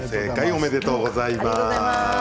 おめでとうございます。